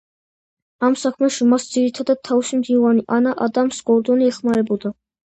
ამ საქმეში მას ძირითადად თავისი მდივანი ანა ადამს გორდონი ეხმარებოდა.